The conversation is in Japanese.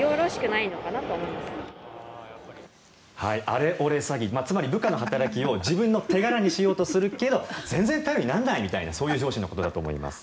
アレ俺詐欺つまり部下の働きを自分の手柄にしようとするけど全然頼りにならないみたいなそういう上司のことだと思います。